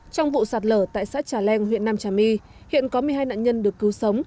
trong vụ sạt lở tại xã trà leng huyện nam trà my hiện có một mươi hai nạn nhân được cứu sống